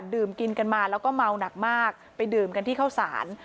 ดื่มกินกันมาแล้วก็เมาหนักมากไปดื่มกันที่เข้าสาร